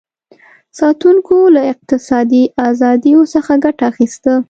ساتونکو له اقتصادي ازادیو څخه ګټه اخیسته.